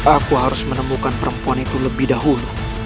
aku harus menemukan perempuan itu lebih dahulu